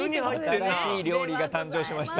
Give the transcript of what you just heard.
新しい料理が誕生しました。